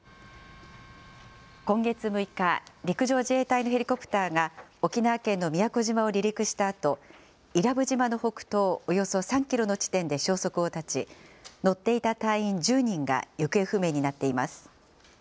今月６日、陸上自衛隊のヘリコプターが沖縄県の宮古島を離陸したあと、伊良部島の北東およそ３キロの地点で消息を絶ち、乗っていた隊員１０人が行方不明になっています。